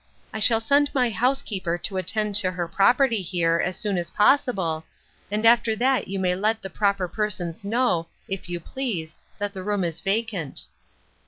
I shall send my housekeeper to attend to her property here, as soon as possible, and after that you may let the proper persons know, if you please, that the room is vacant."